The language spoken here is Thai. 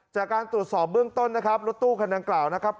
จากการตรวจสอบเบื้องต้นนะครับรถตู้คันดังกล่าวนะครับ